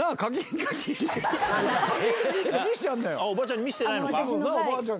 おばあちゃんに見せてないの私の。